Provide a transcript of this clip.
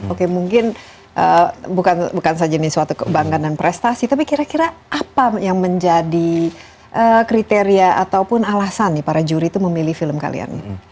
oke mungkin bukan saja ini suatu kebanggaan dan prestasi tapi kira kira apa yang menjadi kriteria ataupun alasan nih para juri itu memilih film kalian